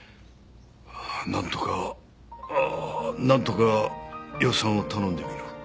なんとかなんとか予算を頼んでみる。